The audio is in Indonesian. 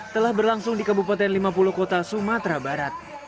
telah berlangsung di kabupaten lima puluh kota sumatera barat